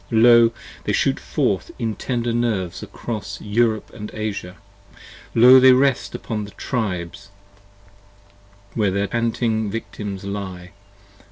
Lo, they shoot forth in tender Nerves across Europe & Asia: Lo, they rest upon the Tribes, where their panting Victims lie.